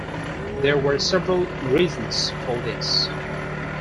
There were several reasons for this.